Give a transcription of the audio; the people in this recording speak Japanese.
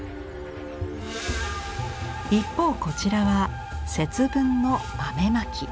一方こちらは節分の豆まき。